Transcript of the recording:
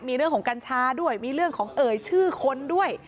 มีเรื่องของกัญชาด้วยมีเรื่องของเอ่ยชื่อคนด้วย